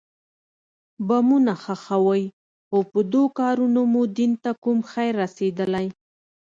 بمونه ښخوئ خو په دو کارونو مو دين ته کوم خير رسېدلى.